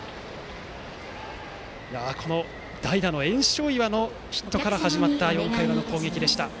この代打の焔硝岩のヒットから始まった４回裏の攻撃でした。